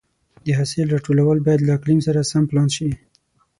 د حاصل راټولول باید له اقلیم سره سم پلان شي.